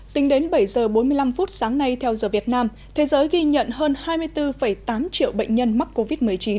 tính đến bảy giờ bốn mươi năm phút sáng nay theo giờ việt nam thế giới ghi nhận hơn hai mươi bốn tám triệu bệnh nhân mắc covid một mươi chín